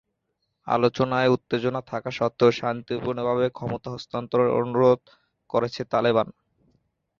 আলোচনায় উত্তেজনা থাকা সত্ত্বেও, শান্তিপূর্ণভাবে ক্ষমতা হস্তান্তরের অনুরোধ করেছে তালেবান।